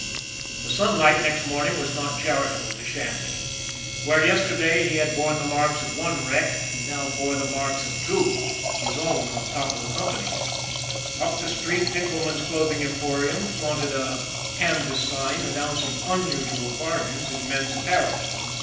The sunlight next morning was not charitable to Shanley. Where yesterday he had borne the marks of one wreck, he now bore the marks of two his own on top of the company's. Up the street Dinkelman's clothing emporium flaunted a canvas sign announcing unusual bargains in men's apparel.